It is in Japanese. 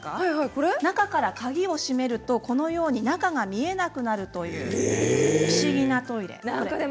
中から鍵を閉めるとこのように中が見えなくなるという不思議なトイレです。